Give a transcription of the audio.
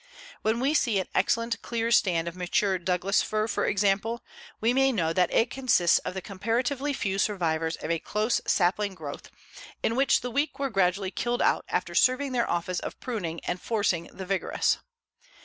When we see an excellent clear stand of mature Douglas fir, for example, we may know that it consists of the comparatively few survivors of a close sapling growth in which the weak were gradually killed out after serving their office of pruning and forcing the vigorous.